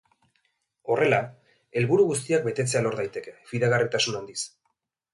Horrela, helburu guztiak betetzea lor daiteke, fidagarritasun handiz.